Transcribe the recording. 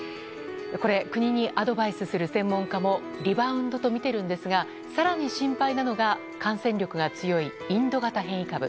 これ、国にアドバイスする専門家もリバウンドとみているんですが更に心配なのが感染力が強いインド型変異株。